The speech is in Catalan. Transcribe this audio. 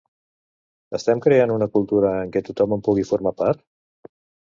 Estem creant una cultura en què tothom en pugui formar part?